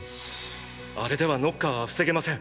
あれではノッカーは防げません。